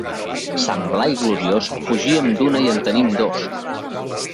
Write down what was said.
Sant Blai gloriós, fugíem d'una i en tenim dos.